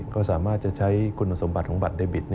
ก็สามารถจะใช้คุณสมบัติของบัตรเดบิต